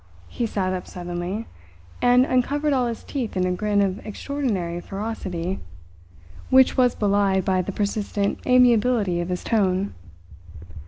He sat up suddenly, and uncovered all his teeth in a grin of extraordinary ferocity, which was belied by the persistent amiability of his tone.